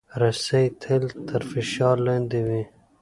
رسۍ تل تر فشار لاندې وي.